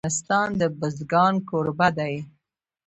افغانستان د بزګان کوربه دی.